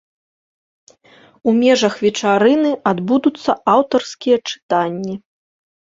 У межах вечарыны адбудуцца аўтарскія чытанні.